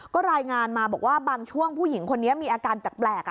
ก็รายงานมาบอกว่าบางช่วงผู้หญิงคนนี้มีอาการแปลก